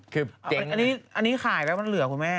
คืออันนี้ขายแล้วมันเหลือคุณแม่